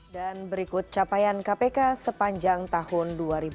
dan berikut capaian kpk sepanjang tahun dua ribu delapan belas